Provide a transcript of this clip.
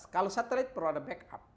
kalau satelit perlu ada backup